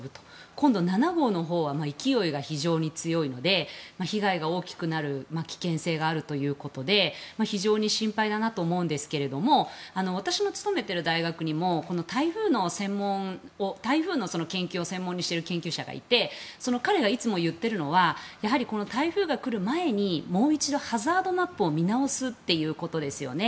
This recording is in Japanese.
今度、７号のほうは勢いが非常に強いので被害が大きくなる危険性があるということで非常に心配だなと思うんですけど私の勤めている大学にも台風の研究を専門にしている研究者がいてその彼がいつも言っているのはやはりこの台風が来る前にもう一度、ハザードマップを見直すということですよね。